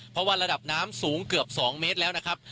เพราะว่าระดับน้ำสูงเกือบ๒เมตรแล้วนะครับ